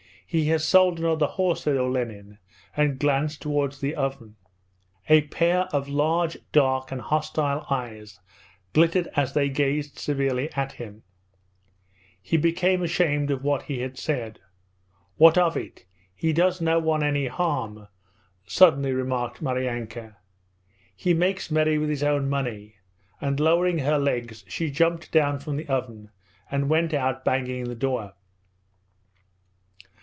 He has sold another horse,' said Olenin, and glanced towards the oven. A pair of large, dark, and hostile eyes glittered as they gazed severely at him. He became ashamed of what he had said. 'What of it? He does no one any harm,' suddenly remarked Maryanka. 'He makes merry with his own money,' and lowering her legs she jumped down from the oven and went out banging the door.